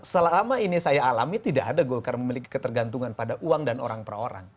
selama ini saya alami tidak ada golkar memiliki ketergantungan pada uang dan orang per orang